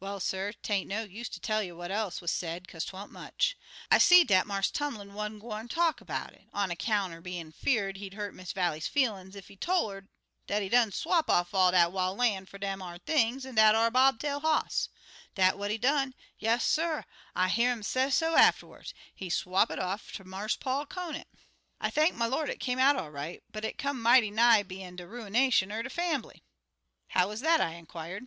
"Well, suh, 'tain't no use ter tell you what else wuz said, kaze 'twan't much. I seed dat Marse Tumlin wan't gwine ter talk 'bout it, on account er bein' 'fear'd he'd hurt Miss Vallie's feelin's ef he tol' 'er dat he done swap off all dat wil' lan' fer dem ar things an' dat ar bob tail hoss. Dat what he done. Yasser! I hear 'im sesso afterwards. He swap it off ter Marse Paul Conant. "I thank my Lord it come out all right, but it come mighty nigh bein' de ruination er de fambly." "How was that?" I inquired.